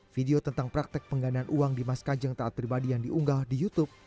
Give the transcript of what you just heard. video tentang praktek penggandaan uang dimas kanjeng taat pribadi yang diunggah di youtube